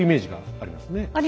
ありますよね。